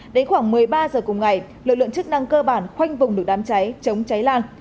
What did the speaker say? đến khoảng một mươi ba giờ cùng ngày lực lượng chức năng cơ bản khoanh vùng được đám cháy chống cháy lan